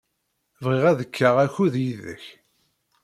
Bɣiɣ ad kkeɣ akud yid-k.